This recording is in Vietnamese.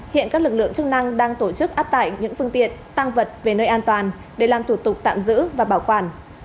hiện các lực lượng chức năng đang tổ chức áp tải những phương tiện tăng vật về nơi an toàn để làm thủ tục tạm giữ và bảo quản